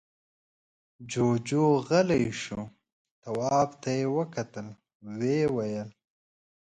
جُوجُو غلی شو. تواب ته يې وکتل، ويې ويل: